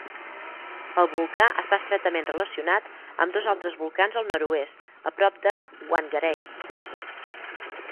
El volcà està estretament relacionat amb dos altres volcans al nord-oest, a prop de Whangarei.